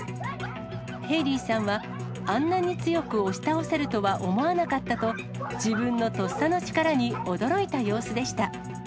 ヘイリーさんは、あんなに強く押し倒せるとは思わなかったと、自分のとっさの力に驚いた様子でした。